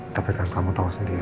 tapi kan kamu tahu sendiri